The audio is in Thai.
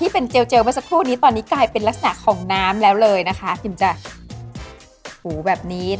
ประมาณ